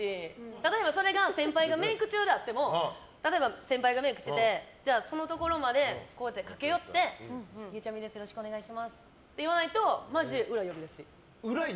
例えば、それが先輩がメイク中であってもじゃあそのところまで駆け寄ってゆうちゃみよろしくお願いしますって言わないと、マジで裏呼び出し。